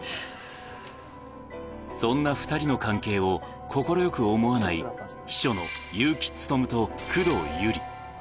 そんな２人の関係を、快く思わない秘書の結城勉と工藤百合。